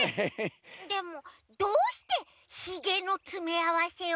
でもどうしてヒゲのつめあわせを？